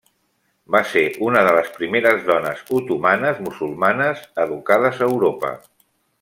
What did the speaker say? Va ser una de les primeres dones otomanes musulmanes educades a Europa.